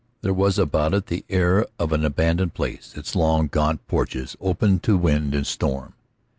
There was about it the air of an abandoned place, its long, gaunt porches open to wind and storm.